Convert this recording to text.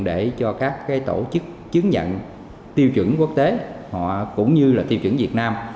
để cho các tổ chức chứng nhận tiêu chuẩn quốc tế cũng như tiêu chuẩn việt nam